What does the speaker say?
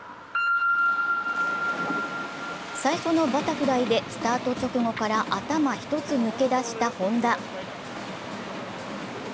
最初のバタフライでスタート直後から頭１つ抜け出した本多。